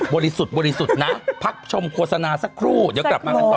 ริสุทธิ์บริสุทธิ์นะพักชมโฆษณาสักครู่เดี๋ยวกลับมากันต่อ